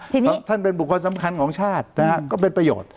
ทีนี้ท่านเป็นบุคคลสำคัญของชาตินะฮะก็เป็นประโยชน์